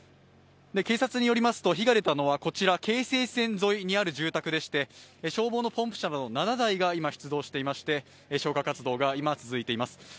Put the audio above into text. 警察によりますと火が出たのは京成線沿いにある住宅でして消防のポンプ車など７台が出動していまして消火活動が今、続いています。